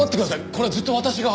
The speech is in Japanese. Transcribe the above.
これはずっと私が。